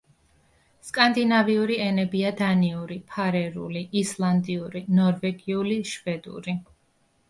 სკანდინავიური ენებია დანიური, ფარერული, ისლანდიური, ნორვეგიული, შვედური.